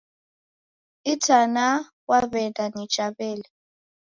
Itanaa waw'eenda nicha wele.